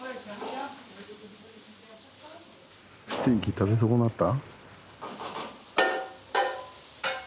スティンキー食べ損なった？